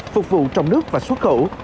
phục vụ trong nước và xuất khẩu